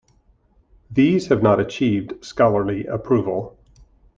These have not achieved scholarly approval.